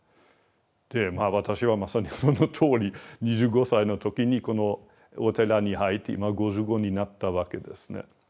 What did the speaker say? で私はそのとおり２５歳の時にこのお寺に入って今５５になったわけですね。